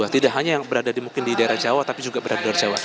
tidak hanya yang berada di mungkin di daerah jawa tapi juga berada di luar jawa